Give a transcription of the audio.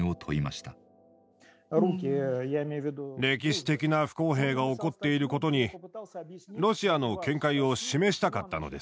歴史的な不公平が起こっていることにロシアの見解を示したかったのです。